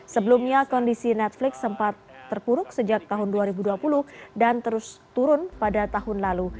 sebelumnya kondisi netflix sempat terpuruk sejak tahun dua ribu dua puluh dan terus turun pada tahun lalu